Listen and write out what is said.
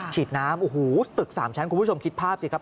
ฉีดน้ำโอ้โหตึก๓ชั้นคุณผู้ชมคิดภาพสิครับ